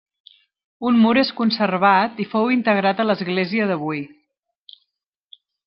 Un mur és conservat i fou integrat a l'església d'avui.